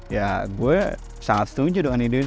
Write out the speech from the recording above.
ya gue sangat setuju dengan ide ini